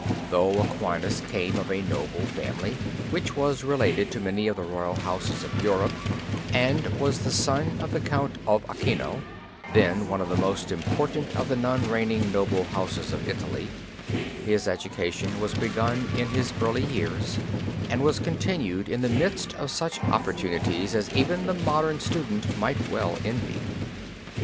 Though Aquinas came of a noble family which was related to many of the Royal houses of Europe and was the son of the Count of Aquino, then one of the most important of the non reigning noble houses of Italy, his education was begun in his early years and was continued in the midst of such opportunities as even the modern student might well envy.